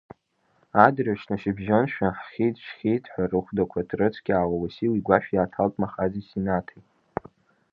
Адырҩаҽны шьыбжьоншәа ххьит-чххьит ҳәа рыхәдақәа ҭрыцқьаауа, Уасил игәашә иааҭалт Махази Синаҭи.